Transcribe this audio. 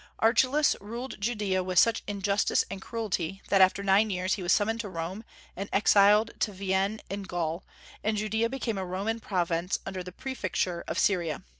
Archelaus ruled Judaea with such injustice and cruelty, that, after nine years, he was summoned to Rome and exiled to Vienne in Gaul, and Judaea became a Roman province under the prefecture of Syria.